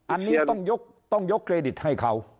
อันนี้ต้องยกเครดิตให้เขา